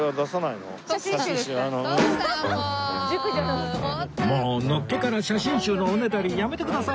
のっけから写真集のおねだりやめてください！